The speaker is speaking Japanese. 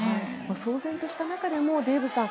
騒然とした中でもデーブさん